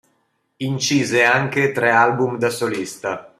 Incise anche tre album da solista.